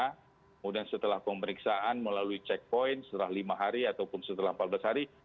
kemudian setelah pemeriksaan melalui checkpoint setelah lima hari ataupun setelah empat belas hari